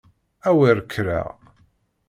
A wer kkreɣ!